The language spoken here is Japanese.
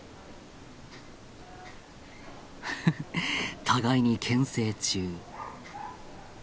フフフ互いにけん制中。